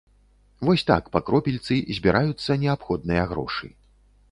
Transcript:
Вось так, па кропельцы, збіраюцца неабходныя грошы.